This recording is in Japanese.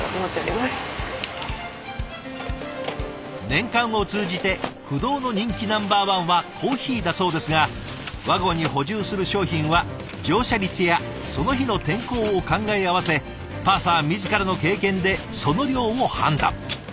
年間を通じて不動の人気ナンバーワンはコーヒーだそうですがワゴンに補充する商品は乗車率やその日の天候を考え合わせパーサー自らの経験でその量を判断。